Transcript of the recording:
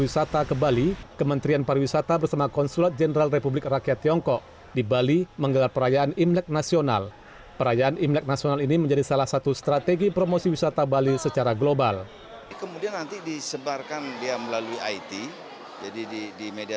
sampai jumpa di video selanjutnya